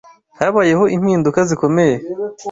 habayeho impinduka zikomeye